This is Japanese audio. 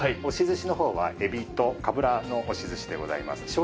押し寿司のほうはエビとかぶらの押し寿司でございます。